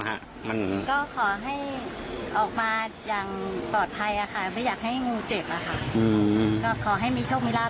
ก็ขอให้ออกมาอย่างปลอดภัยอ่ะค่ะเพื่ออย่างให้งูเจ็บอ่ะค่ะ